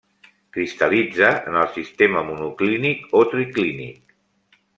Cristal·litza en el sistema monoclínic o triclínic.